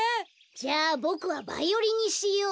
じゃあボクはバイオリンにしよう。